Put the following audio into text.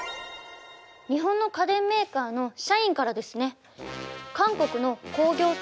日本の家電メーカーの社員からですね。